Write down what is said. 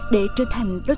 để trở thành một tỉnh đồng